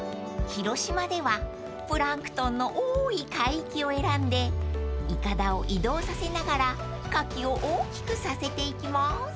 ［広島ではプランクトンの多い海域を選んで筏を移動させながらカキを大きくさせていきます］